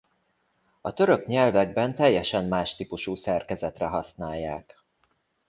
A török nyelvekben teljesen más típusú szerkezetre használják.